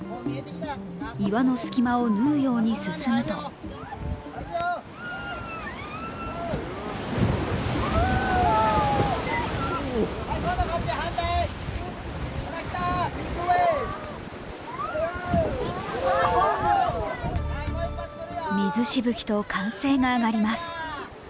岩の隙間を縫うように進むと水しぶきと歓声が上がります。